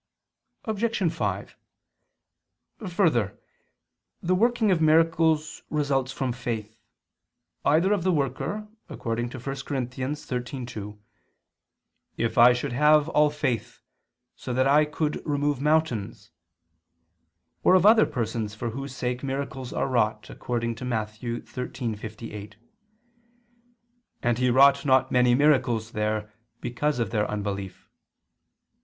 Obj. 5: Further, the working of miracles results from faith either of the worker, according to 1 Cor. 13:2, "If I should have all faith, so that I could remove mountains," or of other persons for whose sake miracles are wrought, according to Matt. 13:58, "And He wrought not many miracles there, because of their unbelief."